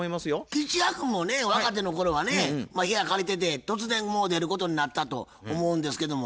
吉弥君もね若手の頃はね部屋借りてて突然出ることになったと思うんですけども。